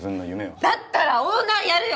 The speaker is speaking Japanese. だったらオーナーやるよ！